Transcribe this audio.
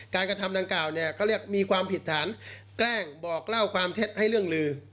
กระทำดังกล่าวเนี่ยเขาเรียกมีความผิดฐานแกล้งบอกเล่าความเท็จให้เรื่องลือ